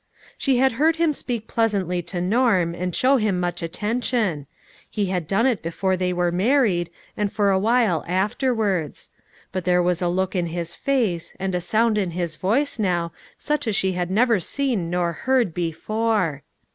She had heard him speak pleasantly to Norm, and show him much attention ; he had dond it before they were married, and for awhile afterwards ; but there was a look in his face, and a sound in his voice now, such as she had never seen nor heard before. THE NEW ENTERPRISE.